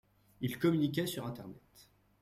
Ils communiquaient sur Internet.